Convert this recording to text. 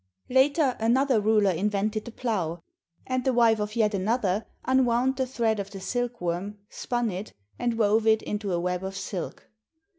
Later, another ruler invented the plow; and the wife of yet another unwound the thread of the silkworm, spun it, and wove it into a web of silk.